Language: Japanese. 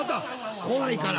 怖いから。